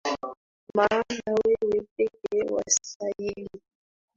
Maana wewe pekee wastahili